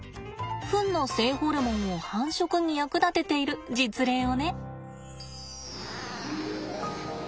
フンの性ホルモンを繁殖に役立てている実例をね。